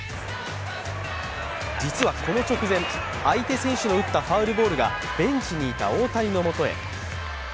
実はこの直前、相手選手の打ったファウルボールがベンチにいた大谷のもとへ。